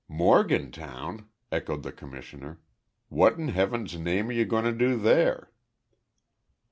"Morgantown?" echoed the Commissioner. "What in Heaven's name are you going to do there?"